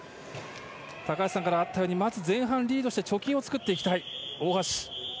高橋さんからあったようにまず前半、リードして貯金を作っていきたい大橋。